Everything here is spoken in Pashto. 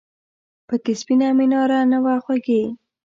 پکې سپینه میناره نه وه خوږې !